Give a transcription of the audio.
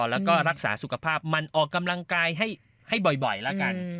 แล้วก็รักษาสุขภาพมันออกกำลังกายให้บ่อยแล้วกัน